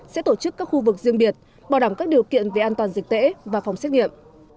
sẽ tổ chức các khu vực riêng biệt bảo đảm các điều kiện về an toàn dịch tễ và phòng xét nghiệm